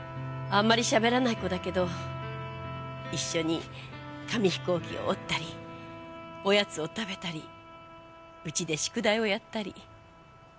あんまりしゃべらない子だけど一緒に紙飛行機を折ったりおやつを食べたりうちで宿題をやったり。